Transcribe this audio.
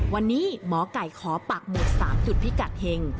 วันนี้หมอไก่ขอปักหมุด๓จุดพิกัดเห็ง